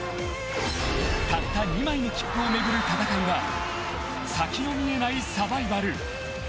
たった２枚の切符を巡る戦いは先の見えないサバイバル。